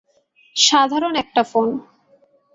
সাধারণ একটা ফোন!